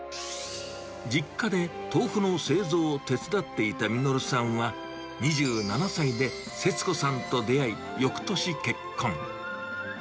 実家で豆腐の製造を手伝っていた實さんは、２７歳で節子さんと出会い、よくとし結婚。